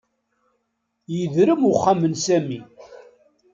Yedrem uxxam n Sami.